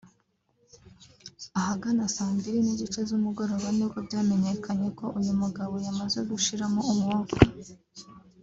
Ahagana saa mbili n’igice z’umugoroba nibwo byamenyekanye ko uyu mugabo yamaze gushiramo umwuka